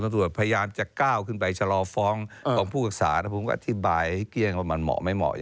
ตรวจพยายามจะก้าวขึ้นไปชะลอฟ้องของผู้ศึกษาแล้วผมก็อธิบายให้เกลี้ยงว่ามันเหมาะไม่เหมาะ